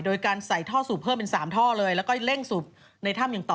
โดยการใส่ท่อสูบเพิ่มเป็น๓ท่อเลยแล้วก็เร่งสูบในถ้ำอย่างต่อ